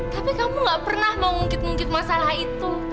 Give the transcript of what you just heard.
tapi kamu enggak pernah mau ngungkit ngungkit masalah itu